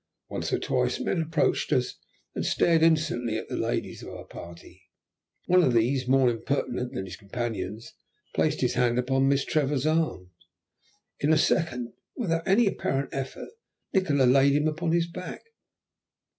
Once or twice men approached us and stared insolently at the ladies of our party. One of these, more impertinent than his companions, placed his hand upon Miss Trevor's arm. In a second, without any apparent effort, Nikola had laid him upon his back.